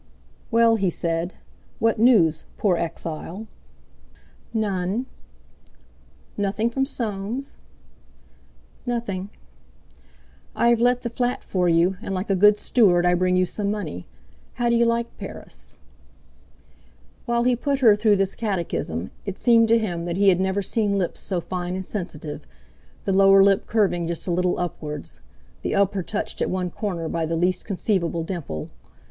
"Well," he said, "what news, poor exile?" "None." "Nothing from Soames?" "Nothing." "I have let the flat for you, and like a good steward I bring you some money. How do you like Paris?" While he put her through this catechism, it seemed to him that he had never seen lips so fine and sensitive, the lower lip curving just a little upwards, the upper touched at one corner by the least conceivable dimple.